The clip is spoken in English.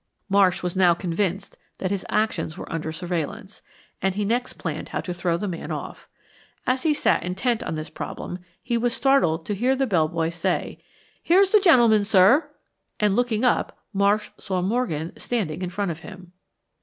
Marsh was now convinced that his actions were under surveillance, and he next planned how to throw the man off. As he sat intent on this problem, he was startled to heap the bell boy say, "Here's the gentleman, sir," and looking up, Marsh saw Morgan standing in front of him.